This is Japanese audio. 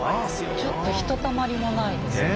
ちょっとひとたまりもないですね。